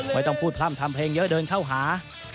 ไม่ต้องพูดพร่ำทำเพลงเยอะเดินเข้าหา